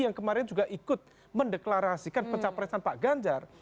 yang kemarin juga ikut mendeklarasikan pencapaian pancasilaan pak ganjar